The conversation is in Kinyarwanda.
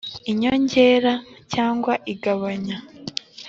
inyongera cyangwa igabanya